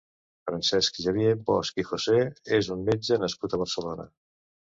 Francesc Xavier Bosch i José és un metge nascut a Barcelona.